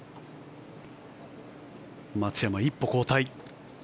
松山、一歩後退。